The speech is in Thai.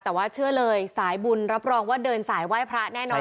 แต่ว่าเชื่อเลยสายบุญรับรองว่าเดินสายไหว้พระแน่นอน